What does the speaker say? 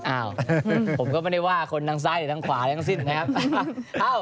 อ้าวผมก็ไม่ได้ว่าคนทางซ้ายคนทางขวาทางสิ้นนะครับ